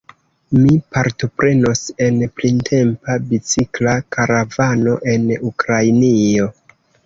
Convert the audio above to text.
Mi partoprenos en printempa bicikla karavano en Ukrainio.